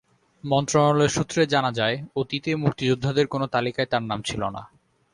মন্ত্রণালয় সূত্রে জানা যায়, অতীতে মুক্তিযোদ্ধাদের কোনো তালিকায় তাঁর নাম ছিল না।